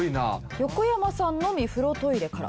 横山さんのみ風呂・トイレから。